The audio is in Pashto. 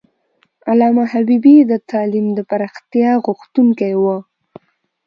علامه حبیبي د تعلیم د پراختیا غوښتونکی و.